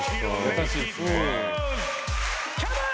優しいっすね。